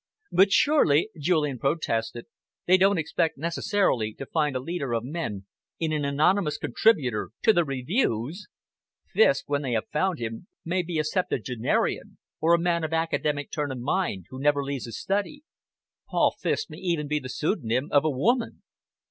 "But surely," Julian protested, "they don't expect necessarily to find a leader of men in an anonymous contributor to the Reviews? Fiske, when they have found him, may be a septuagenarian, or a man of academic turn of mind, who never leaves his study. 'Paul Fiske' may even be the pseudonym of a woman."